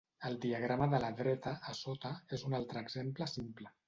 El diagrama de la dreta, a sota, és un altre exemple simple.